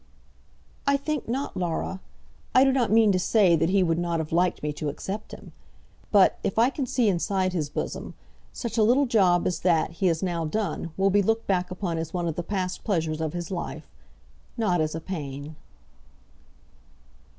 "I think not, Laura. I do not mean to say that he would not have liked me to accept him. But, if I can see inside his bosom, such a little job as that he has now done will be looked back upon as one of the past pleasures of his life; not as a pain."